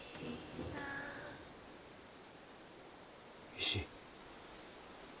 石。